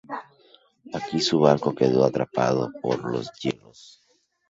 Aquí su barco quedó atrapado por los hielos.